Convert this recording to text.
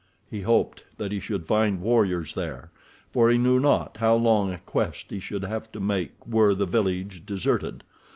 He hoped that he should find warriors there, for he knew not how long a quest he should have to make were the village deserted.